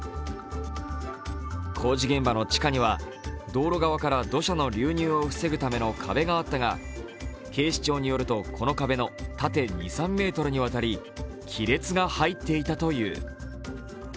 工事現場の地下には道路側からの土砂の流入を防ぐ壁があったが、警視庁によると、この壁の縦２３ｍにわたり亀裂が入っていたという。